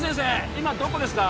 今どこですか？